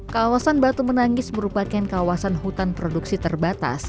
kawasan batu menangis merupakan kawasan hutan produksi terbatas